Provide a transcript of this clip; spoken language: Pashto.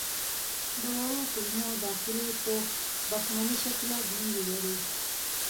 د وړو کولمو داخلي پوښ بخملي شکله ګونځې لري.